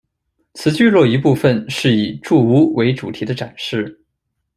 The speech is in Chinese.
此聚落一部份是以住屋为主题的展示。